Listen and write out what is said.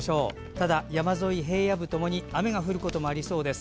ただ山沿い、平野部ともに雨が降ることもありそうです。